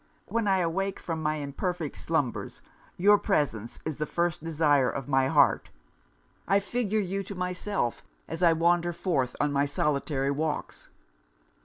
When I awake from my imperfect slumbers, your presence is the first desire of my heart: I figure you to myself as I wander forth on my solitary walks.